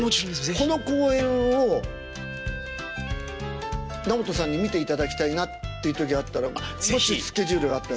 この公演を直人さんに見ていただきたいなっていう時あったらもしスケジュールが合ったら。